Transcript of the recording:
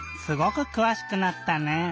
すごくくわしくなったね。